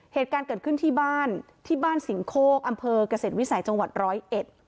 เหตุการะเกิดขึ้นที่บ้านสิงโคอำเภอกเกษตรวิสัยจังหวัด๑๐๑